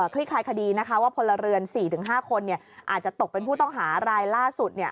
คลิกขายคดีนะคะว่าพลเรือนสี่ถึงห้าคนเนี่ยอาจจะตกเป็นผู้ต้องหารายล่าสุดเนี่ย